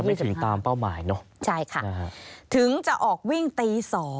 ไม่ถึงตามเป้าหมายเนอะใช่ค่ะถึงจะออกวิ่งตี๒